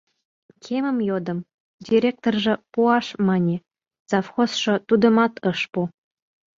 Кемым йодым, директоржо «пуаш» мане, завхозшо тудымат ыш пу.